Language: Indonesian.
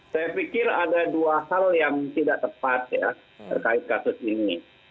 saya pikir ada dua hal yang tidak tepat ya terkait kasus ini